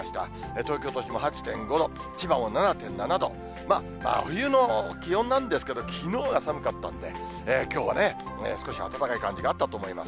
東京都心では８．５度、千葉も７．７度、真冬の気温なんですけど、きのうが寒かったんで、きょうは少し暖かい感じがあったと思います。